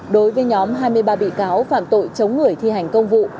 đối với nhóm hai mươi ba bị cáo phạm tội chống người thi hành công vụ